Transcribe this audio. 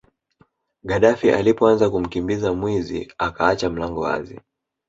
Gadaffi alipoanza kumkimbiza mwizi akaacha mlango wazi